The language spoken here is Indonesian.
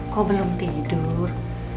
kok belum tidur